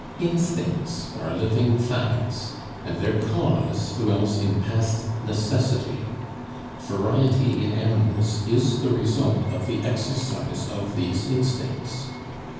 Instincts are living facts, and their cause dwells in past necessity. Variety in animals is the result of the exercise of these instincts.